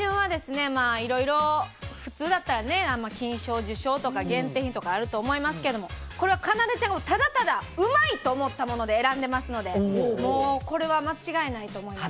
いろいろ、普通だったら金賞受賞とか限定品とかあると思いますけどこれはかなでちゃんがただただうまい！と思ったもので選んでますのでこれは間違いないと思います。